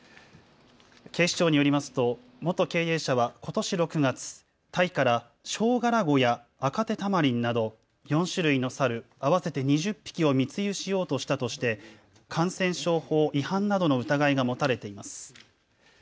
警視庁によりますと元経営者はことし６月、タイからショウガラゴやアカテタマリンなど４種類の猿合わせて２０匹を密輸しようとしたとして感染症法違反などの疑いが持たれています。